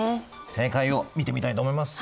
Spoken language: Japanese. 正解を見てみたいと思います。